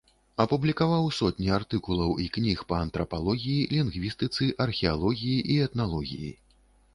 Апублікаваў сотні артыкулаў і кніг па антрапалогіі, лінгвістыцы, археалогіі і этналогіі.